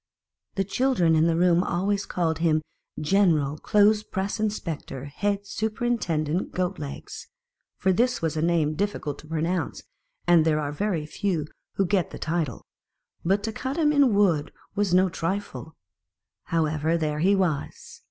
The children in the room always called him General clothes press inspector head superintendent Goat legs, for this was a name difficult to pronounce, and there are very few who get the title : but to cut him out in wood that was no trifle. However, there he was.